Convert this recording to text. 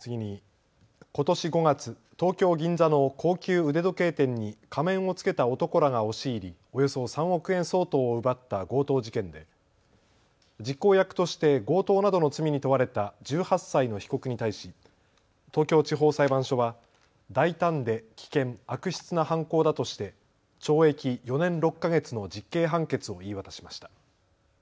次にことし５月、東京銀座の高級腕時計店に仮面を着けた男らが押し入り、およそ３億円相当を奪った強盗事件で実行役として強盗などの罪に問われた１８歳の被告に対し東京地方裁判所は大胆で危険、悪質な犯行だとして懲役４年６か月の実刑判決を言い渡しました。